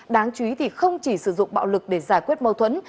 đáng chú ý thì không chỉ sử dụng bạo lực để giải quyết mâu thuẫn